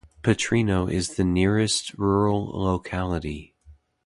Petrino is the nearest rural locality.